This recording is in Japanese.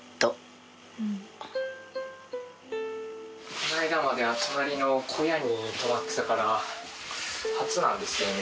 この間までは隣の小屋に泊まってたから初なんですよね